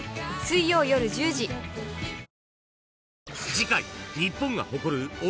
［次回］